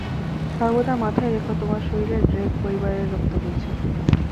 সর্বদা মাথায় রেখো, তোমার শরীরে ড্রেক পরিবারের রক্ত বইছে।